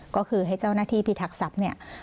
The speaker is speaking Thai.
ก็คือให้เจ้าหน้าที่พิทักษัพเนี่ย